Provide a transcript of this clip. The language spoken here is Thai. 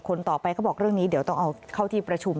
คนต่อไปก็บอกเรื่องนี้